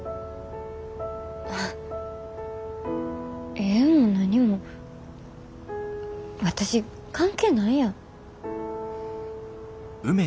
ええも何も私関係ないやん。